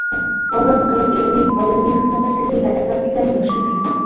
ھازازۇل ئايال ئېرىنى، بالىلىرىنى، خىزمەتداشلىرىنى ۋە ئەتراپتىكىلەرنى ياخشى كۆرمەيدۇ.